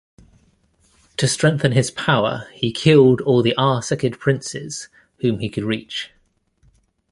To strengthen his power he killed all the Arsacid princes whom he could reach.